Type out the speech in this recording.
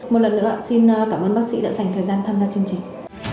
một lần nữa xin cảm ơn bác sĩ đã dành thời gian tham gia chương trình